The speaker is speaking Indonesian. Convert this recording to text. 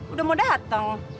udah mau dateng